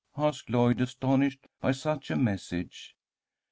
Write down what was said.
asked Lloyd, astonished by such a message.